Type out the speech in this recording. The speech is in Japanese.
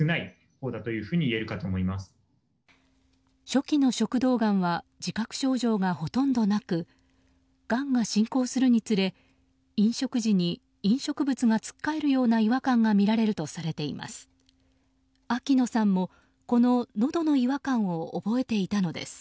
初期の食道がんは自覚症状がほとんどなくがんが進行するにつれ飲食時に飲食物がつっかえるような違和感が見られるとされています。